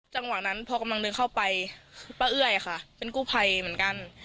จังหวะนั้นพอกำลังเดินเข้าไปป้าเอ้ยค่ะเป็นกู้ภัยเหมือนกัน